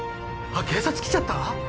あっ警察来ちゃった？